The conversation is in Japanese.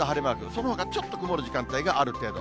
そのほかちょっと曇る時間帯がある程度。